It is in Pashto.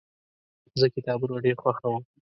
زه کتابونه ډیر خوښوم.